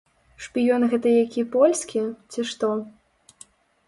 Шпіён гэта які польскі, ці што?